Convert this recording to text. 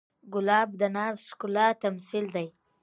ګلاب د ناز ښکلا تمثیل دی.